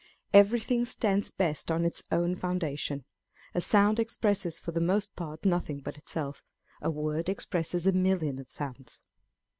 Everything stands best on its own foundation. A sound expresses, for the most part, nothing but itself; a word expresses a million of sounds.